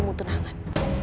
dia mau tunangan